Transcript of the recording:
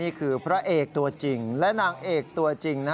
พระเอกตัวจริงและนางเอกตัวจริง